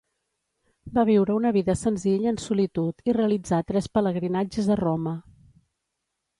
Va viure una vida senzilla en solitud i realitzà tres pelegrinatges a Roma.